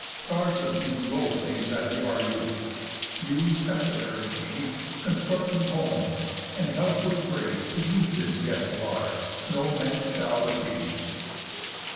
Charge of these low things I give our youth. You, sceptre bearing kings, Consort me home, and help with grace to use This guest of ours; no one man shall refuse.